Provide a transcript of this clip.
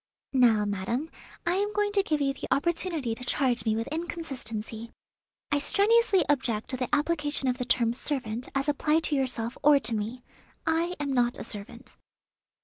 "Now, madam, I am going to give you the opportunity to charge me with inconsistency. I strenuously object to the application of the term 'servant' as applied to yourself or to me. I am not a servant."